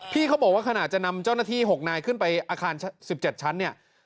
เขาบอกว่าขณะจะนำเจ้าหน้าที่๖นายขึ้นไปอาคาร๑๗ชั้นเนี่ย